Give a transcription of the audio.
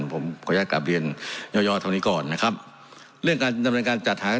ผมขออนุญาตกลับเรียนย่อย่อเท่านี้ก่อนนะครับเรื่องการดำเนินการจัดหา